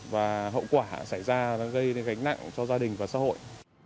và hậu quả xảy ra gây gánh nặng cho gia đình và xã hội